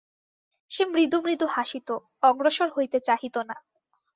সে মৃদু মৃদু হাসিত, অগ্রসর হইতে চাহিত না।